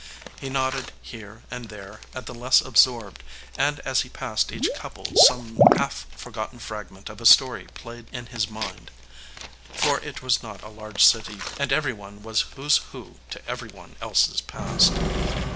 He nodded here and there at the less absorbed and as he passed each couple some half forgotten fragment of a story played in his mind, for it was not a large city and every one was Who's Who to every one else's past.